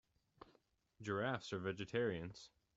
Giraffes are vegetarians.